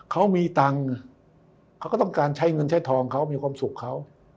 เขามีตังค์เขาก็ต้องการใช้เงินใช้ทองเขามีความสุขเขา